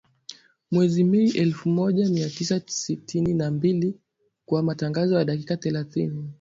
Mwezi Mei elfu moja mia tisa sitini na mbili kwa matangazo ya dakika thelathini